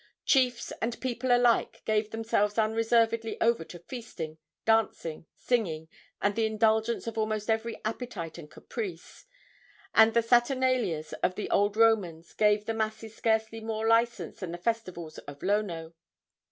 Chiefs and people alike gave themselves unreservedly over to feasting, dancing, singing and the indulgence of almost every appetite and caprice, and the Saturnalias of the old Romans gave to the masses scarcely more license than the festivals of Lono.